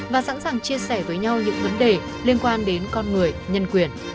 và sẵn sàng chia sẻ với nhau những vấn đề liên quan đến con người nhân quyền